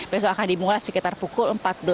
besok akan dimulai sekitar pukul empat belas tiga puluh